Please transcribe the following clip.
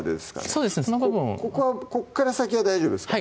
その部分ここから先は大丈夫ですか？